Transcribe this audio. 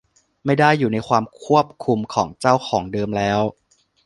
ไม่ได้อยู่ในความควบคุมของเจ้าของเดิมแล้ว